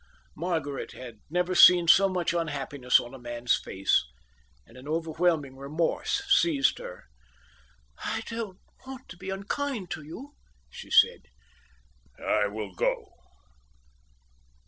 Margaret had never seen so much unhappiness on a man's face, and an overwhelming remorse seized her. "I don't want to be unkind to you," she said. "I will go.